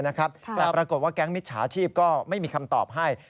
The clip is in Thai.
แต่ปรากฏว่าแก๊งมิจฉาชีพก็ไม่มีคำตอบให้